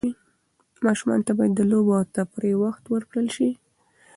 ماشومانو ته باید د لوبو او تفریح وخت ورکړل سي.